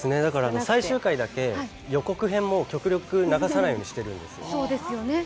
最終回だけ予告編も極力流さないようにしているんです。